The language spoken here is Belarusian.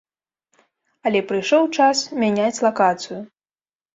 Але прыйшоў час мяняць лакацыю.